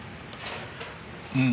うん。